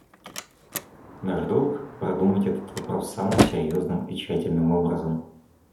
Наш долг — продумать этот вопрос самым серьезным и тщательным образом.